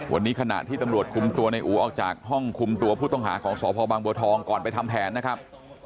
วันนี้ขณะที่ตำรวจคุมตัวในอู๋ออกจากห้องคุมตัวผู้ต้องหาของสพบางบัวทองก่อนไปทำแผนนะครับ